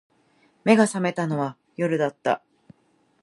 眼が覚めたのは夜だった